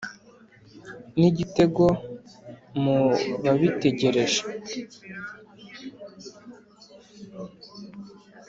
Ni igitego mu babitegereje